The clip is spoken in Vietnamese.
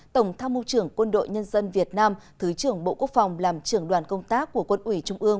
tổng tham mưu trưởng quân đội nhân dân việt nam thứ trưởng bộ quốc phòng làm trưởng đoàn công tác của quân ủy trung ương